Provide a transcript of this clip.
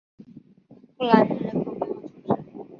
布朗日人口变化图示